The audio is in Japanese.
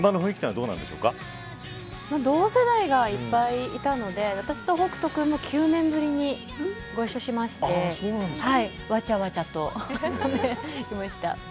同世代がいっぱいいたので私と北斗くんも９年ぶりにご一緒しましてわちゃわちゃとやりました。